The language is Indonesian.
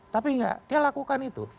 tapi enggak dia lakukan itu